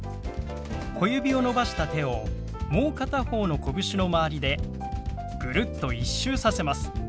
小指を伸ばした手をもう片方のこぶしの周りでぐるっと１周させます。